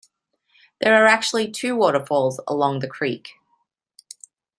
There are actually two waterfalls along the creek.